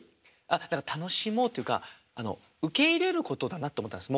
だから楽しもうっていうかあの受け入れることだなと思ったんです。